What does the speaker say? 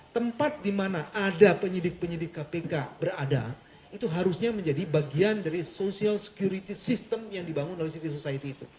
tempat di mana ada penyidik penyidik kpk berada itu harusnya menjadi bagian dari social security system yang dibangun oleh civil society itu